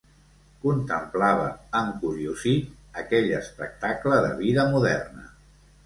Contemplava, encuriosit, aquell espectacle de vida moderna